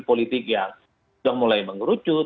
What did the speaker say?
politik yang sudah mulai mengerucut